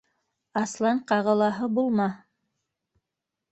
Аслан ҡағылаһы булма!